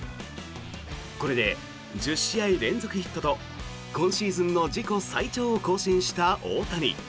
これで１０試合連続ヒットと今シーズンの自己最長を更新した大谷。